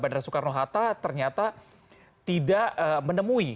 bandara soekarno hatta ternyata tidak menemui